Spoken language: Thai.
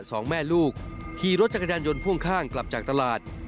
สองแม่ลูกขี่รถจักรยานยนต์พ่วงข้างกลับจากตลาด